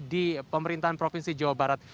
di pemerintahan provinsi jawa barat